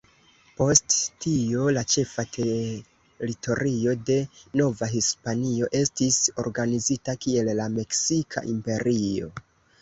Post tio, la ĉefa teritorio de Nova Hispanio estis organizita kiel la Meksika Imperio.